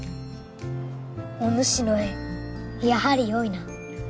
おぬしの絵やはり良いな。